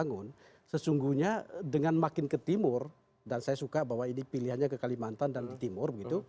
dan kemudian kalau kita melihat bahwa kita bisa bangun sesungguhnya dengan makin ke timur dan saya suka bahwa ini pilihannya ke kalimantan dan di timur